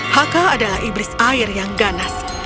haka adalah iblis air yang ganas